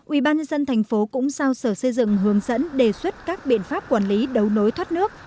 ubnd tp cũng giao sở xây dựng hướng dẫn đề xuất các biện pháp quản lý đấu nối thoát nước